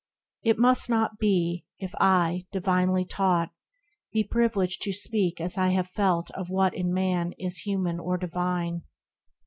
It must not be, if I, divinely taught, Be privileged to speak as I have felt Of what in man is human or divine.